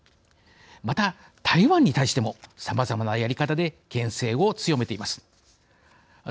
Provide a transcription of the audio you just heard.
また、台湾に対してもさまざまなやり方でけん制を強めています。